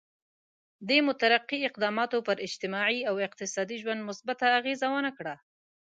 دې مترقي اقداماتو پر اجتماعي او اقتصادي ژوند مثبته اغېزه ونه کړه.